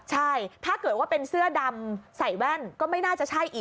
ใช่ถ้าเกิดว่าเป็นเสื้อดำใส่แว่นก็ไม่น่าจะใช่อีก